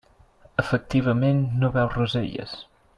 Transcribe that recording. Efectivament no veu roselles.